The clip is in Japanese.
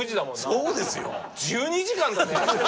そうですよ。１２時間だぜ！？